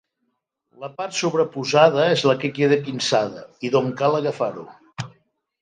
La part superposada és la que queda pinçada i d'on cal agafar-ho.